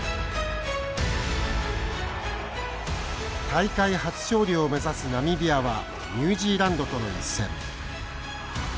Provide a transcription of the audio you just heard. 大会初勝利を目指すナミビアはニュージーランドとの一戦。